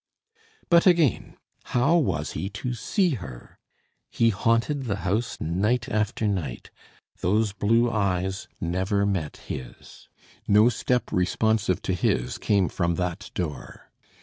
But again, how was he to see her? He haunted the house night after night. Those blue eyes never met his. No step responsive to his came from that door.